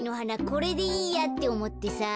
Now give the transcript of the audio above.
これでいいやっておもってさ。